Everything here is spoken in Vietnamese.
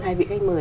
hai vị khách mời